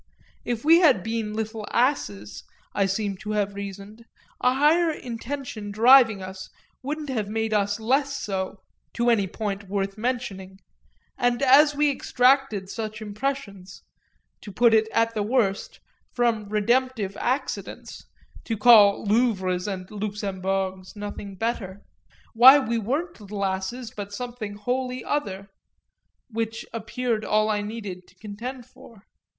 If we had been little asses, I seem to have reasoned, a higher intention driving us wouldn't have made us less so to any point worth mentioning; and as we extracted such impressions, to put it at the worst, from redemptive accidents (to call Louvres and Luxembourgs nothing better) why we weren't little asses, but something wholly other: which appeared all I needed to contend for.